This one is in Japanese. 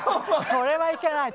それはいけない。